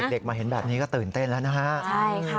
เด็กมาเห็นแบบนี้ก็ตื่นเต้นแล้วนะคะ